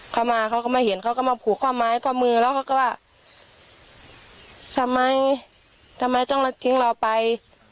เขามาเขาก็มาเห็นเขาก็มาผูกข้อไม้ข้อมือแล้วเขาก็ว่าทำไมทำไมต้องทิ้งเราไป